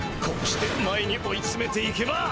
こうして前に追いつめていけば。